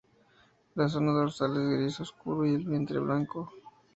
La zona dorsal es gris oscuro y el vientre blanco.